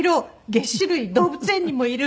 「げっ歯類」「動物園にもいる」